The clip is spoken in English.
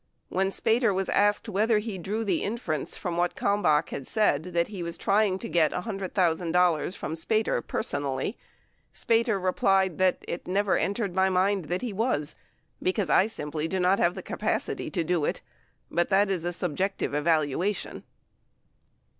When Spater was asked whether he drew the inference from what Kalmbach had said that he was trying to get $100,000 from Spater personally, Spater replied that, "It never entered my mind that he was, because I simply do not have the capacity to do it, but that is a subjective evaluation."